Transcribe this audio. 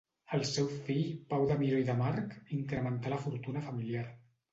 El seu fill, Pau de Miró i de March, incrementà la fortuna familiar.